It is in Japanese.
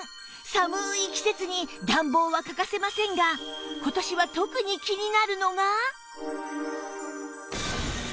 寒い季節に暖房は欠かせませんが今年は特に気になるのが